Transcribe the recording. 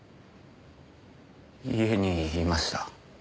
家にいました。